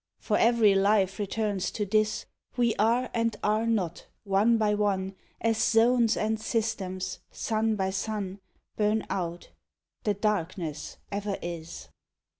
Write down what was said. For every life returns to this We are and are not, one by one, As zones and systems, sun by sun, Burn out the darkness ever is.